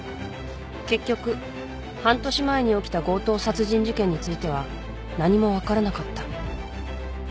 ［結局半年前に起きた強盗殺人事件については何も分からなかった］